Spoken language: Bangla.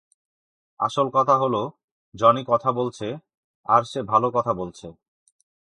আসল কথা হল, জনি কথা বলছে, আর সে ভালো কথা বলছে।